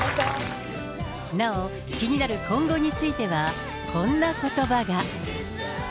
なお、気になる今後については、こんなことばが。